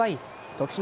徳島